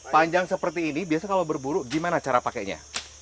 panjang seperti ini biasa kalau berburu gimana cara pakainya